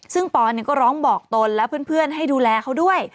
ซึ่งปอนก็ร้องบอกตนและเพื่อนให้ดูแลเขาด้วย